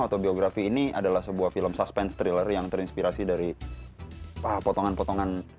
autobiography ini adalah sebuah film suspense thriller yang terinspirasi dari potongan potongan